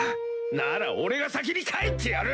なら俺が先に帰ってやる。